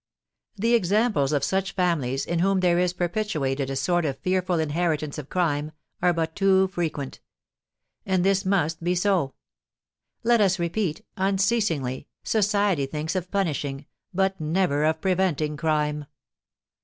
The examples of such families, in whom there is perpetuated a sort of fearful inheritance of crime, are but too frequent. And this must be so. Let us repeat, unceasingly, society thinks of punishing, but never of preventing, crime.